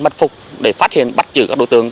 mất phục để phát hiện bắt chữ các đối tượng